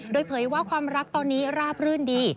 โดยเผยว่าความรักตอนนี้ราบรื่นดี